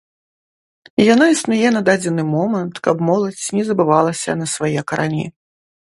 Яна існуе на дадзены момант, каб моладзь не забывалася на свае карані.